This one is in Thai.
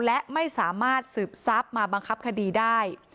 และไม่สามารถสืบทรัพย์มาบังคับคดีได้